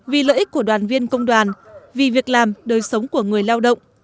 vì lợi ích của đoàn viên công đoàn vì việc làm đời sống của người lao động